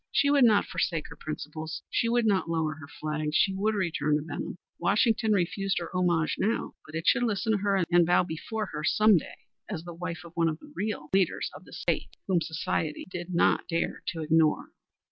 She would not forsake her principles. She would not lower her flag. She would return to Benham. Washington refused her homage now, but it should listen to her and bow before her some day as the wife of one of the real leaders of the State, whom Society did not dare to ignore.